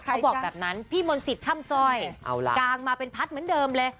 เขาบอกแบบนั้นพี่มนต์สิทธิค่ำซอยกางมาเป็นพัดเหมือนเดิมเลย